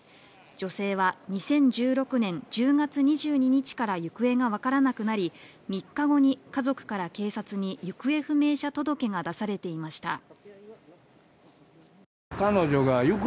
女性は２０１６年１０月２２日から行方が分からなくなり３日後に家族から警察に行方不明者届が出されていました。